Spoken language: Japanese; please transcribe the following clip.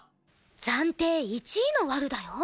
暫定１位のワルだよ。